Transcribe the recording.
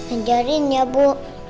ajarin ya bu